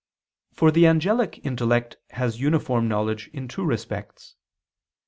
For the angelic intellect has uniform knowledge in two respects.